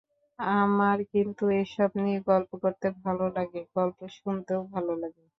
আমার কিন্তু এসব নিয়ে গল্প করতেও ভালো লাগে, গল্প শুনতেও ভালো লাগে।